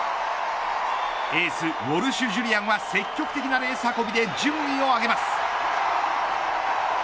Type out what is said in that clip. エースのウォルシュ・ジュリアンが積極的なレース運びで順位を上げます。